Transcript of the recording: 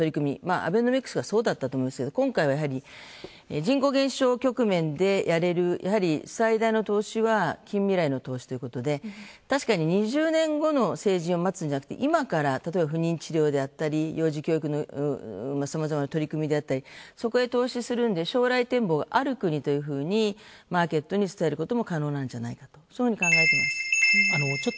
アベノミクスはそうだったと思いますけど今回はやはり、人口減少局面でやれる最大の投資は、近未来の投資ということで確かに２０年後の政治を待つんじゃなくて今から例えば不妊治療であったり幼児教育、さまざまな取り組みであったりそこへ投資をするんで、将来展望がある国というふうにマーケットに伝えることも可能なんじゃないかと思います。